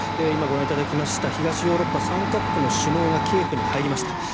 今、ご覧いただきました東ヨーロッパ３か国の首脳がキエフに入りました。